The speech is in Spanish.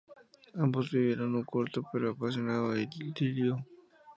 Ambos vivirían un corto pero apasionado idilio.